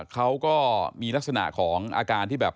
เขาก็มีลักษณะของอาการที่แบบ